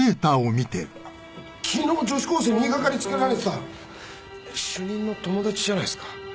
昨日女子高生に言いがかりつけられてた主任の友達じゃないすか？